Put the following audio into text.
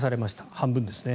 半分ですね。